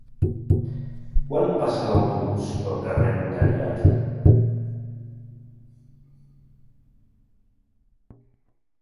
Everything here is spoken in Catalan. Quan passa l'autobús pel carrer Notariat?